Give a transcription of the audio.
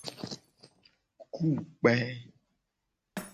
Ku kpe.